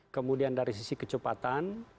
kemudian dari sisi kecepatan